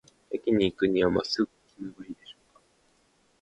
駅に行くには、まっすぐ進めばいいでしょうか。